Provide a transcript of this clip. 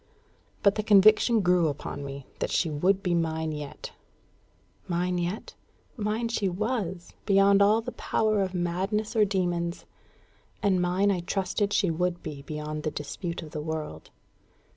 But the conviction grew upon me that she would be mine yet. Mine yet? Mine she was, beyond all the power of madness or demons; and mine I trusted she would be beyond the dispute of the world.